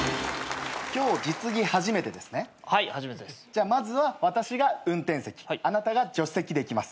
じゃあまずは私が運転席あなたが助手席でいきます。